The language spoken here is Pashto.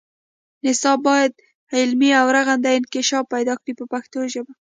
نصاب باید علمي او رغنده انکشاف پیدا کړي په پښتو ژبه.